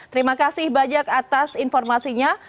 terima kasih banyak atas informasinya